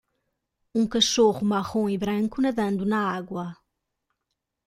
um cachorro marrom e branco nadando na água